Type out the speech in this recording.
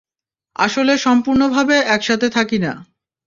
আসলে সম্পূর্ণভাবে একসাথে থাকি না।